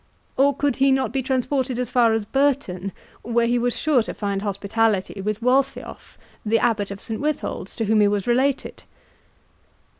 —Or could he not be transported as far as Burton, where he was sure to find hospitality with Waltheoff, the Abbot of St Withold's, to whom he was related?"